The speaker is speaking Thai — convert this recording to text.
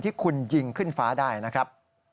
ที่คุณยิงขึ้นฟ้าได้นะครับ